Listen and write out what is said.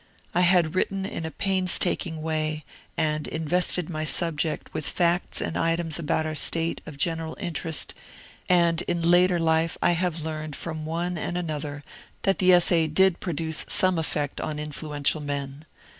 I had written in a painstaking way, and invested my subject with facts and items about our State of general interest, and in later life I have learned from one and another that the essay did produce some effect on influential men.